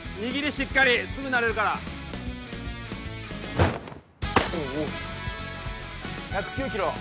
しっかりすぐ慣れるからおお１０９キロ